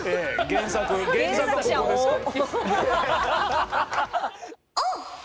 原作はここですから。